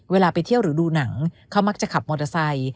เวลาไปเที่ยวหรือดูหนังเขามักจะขับมอเตอร์ไซค์